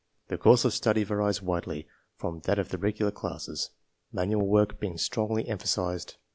The course of study varies widely from tha,t of the regular classes, manual work being strongly emphasized.